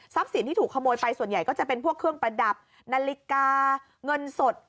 สินที่ถูกขโมยไปส่วนใหญ่ก็จะเป็นพวกเครื่องประดับนาฬิกาเงินสด